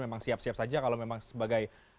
memang siap siap saja kalau memang sebagai